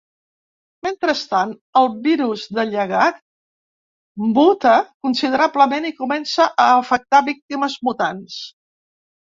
Mentrestant, el Virus de Llegat muta considerablement i comença a afectar víctimes mutants.